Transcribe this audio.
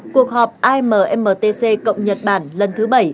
cuộc họp imtc cộng nhật bản lần thứ bảy